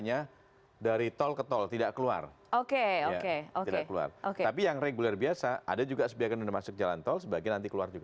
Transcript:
arah arah mana gitu